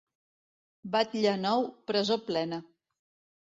Batlle nou, presó plena.